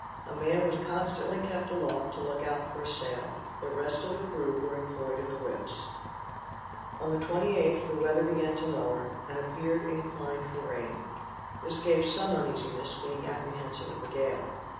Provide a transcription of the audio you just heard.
A man was constantly kept aloft to look out for a sail. The rest of the crew were employed at the whips. On the 28th the weather began to lower, and appeared inclined for rain. This gave some uneasiness, being apprehensive of a gale.